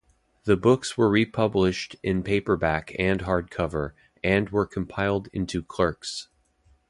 The books were republished in paperback and hardcover, and were compiled into Clerks.